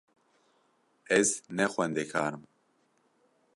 Ez ne xwendekar im.